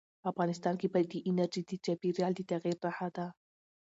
افغانستان کې بادي انرژي د چاپېریال د تغیر نښه ده.